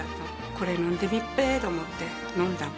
これ飲んでみっぺと思って飲んだの。